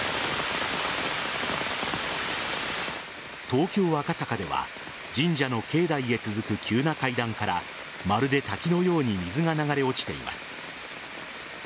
東京・赤坂では神社の境内へ続く急な階段からまるで滝のように水が流れ落ちています。